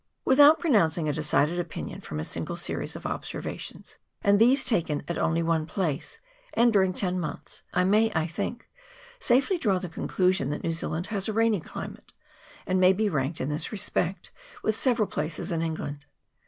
Without pronouncing a decided opinion from a single series of observations, and these taken at only one place, and during ten months, I may, I think, safely draw the conclusion that New Zealand has a rainy climate, and may be ranked, in this respect, with several places in Eng land.